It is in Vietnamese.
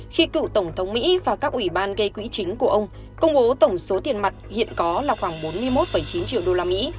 khi cựu tổng thống mỹ và các ủy ban gây quỹ chính của ông công bố tổng số tiền mặt hiện có là khoảng bốn mươi một chín triệu đô la mỹ